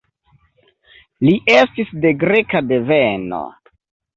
Li estis de greka deveno.